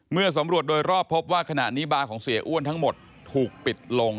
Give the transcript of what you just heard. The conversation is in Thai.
สำรวจโดยรอบพบว่าขณะนี้บาร์ของเสียอ้วนทั้งหมดถูกปิดลง